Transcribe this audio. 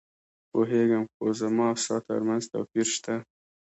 پوهېږم، خو زما او ستا ترمنځ توپیر شته.